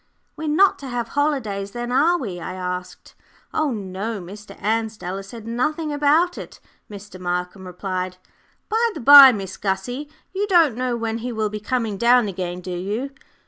"We're not to have holidays, then, are we?" I asked. "Oh, no; Mr. Ansdell has said nothing about it," Mr. Markham replied. "By the by, Miss Gussie, you don't know when he will be coming down again, do you?"